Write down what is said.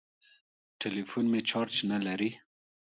ټليفون مې چارچ نه لري.